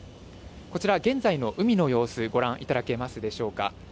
こちら、現在の海の様子、ご覧いただけますでしょうか。